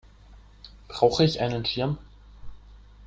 Brauche ich einen Schirm?